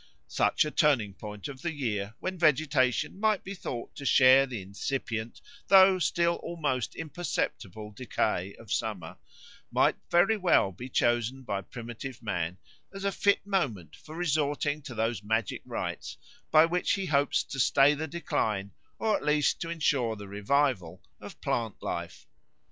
Such a turning point of the year, when vegetation might be thought to share the incipient though still almost imperceptible decay of summer, might very well be chosen by primitive man as a fit moment for resorting to those magic rites by which he hopes to stay the decline, or at least to ensure the revival, of plant life.